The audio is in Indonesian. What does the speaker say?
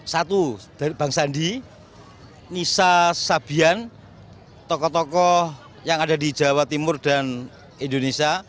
satu dari bang sandi nisa sabian tokoh tokoh yang ada di jawa timur dan indonesia